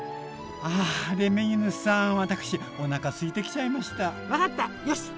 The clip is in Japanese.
あレミーヌさん私おなかすいてきちゃいました。分かったよしっ！